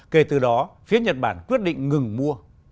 kể từ đó phía nhật bản quyết định ngừng mua